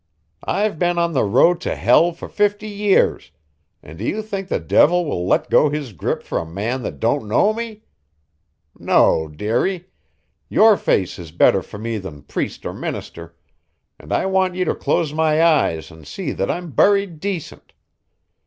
I've been on the road to hell for fifty years, and do you think the devil will let go his grip for a man that don't know me? No, dearie; your face is better for me than priest or minister, and I want you to close my eyes and see that I'm buried decent.